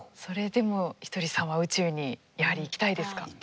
それでもひとりさんは宇宙にやはり行きたいですか。